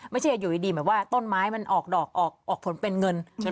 ไม่ใช่อยู่ดีแบบว่าต้นไม้มันออกดอกออกผลเป็นเงิน